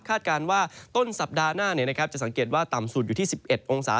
การว่าต้นสัปดาห์หน้าจะสังเกตว่าต่ำสุดอยู่ที่๑๑องศา